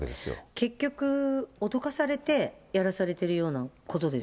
結局、脅かされてやらされてるようなことですよね。